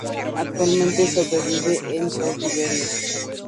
Actualmente sobrevive en cautiverio.